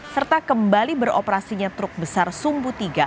serta kembali beroperasinya truk besar sumbu tiga